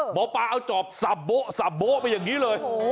หมอปาเอาจอบสะโบ้ไปอย่างนี้เลย